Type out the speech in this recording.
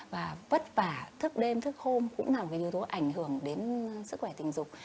và vất vả thức đêm thức hôm cũng là một yếu tố ảnh hưởng đến sức khỏe tình dục